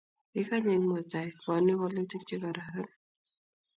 Ikany eng muitaet, pwoni walutik che kararan